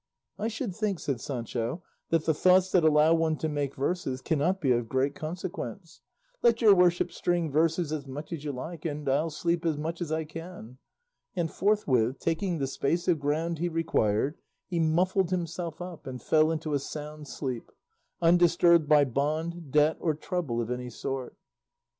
"I should think," said Sancho, "that the thoughts that allow one to make verses cannot be of great consequence; let your worship string verses as much as you like and I'll sleep as much as I can;" and forthwith, taking the space of ground he required, he muffled himself up and fell into a sound sleep, undisturbed by bond, debt, or trouble of any sort.